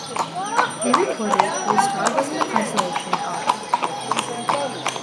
He reported that the star was in the constellation Ara.